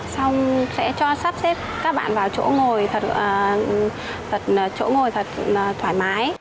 xong sẽ cho sắp xếp các bạn vào chỗ ngồi thật thoải mái